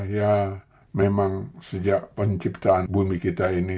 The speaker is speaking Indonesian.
ya memang sejak penciptaan bumi kita ini